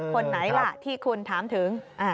คนไหนล่ะที่คุณถามถึง